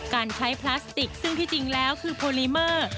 การใช้พลาสติกซึ่งที่จริงแล้วคือโพลิเมอร์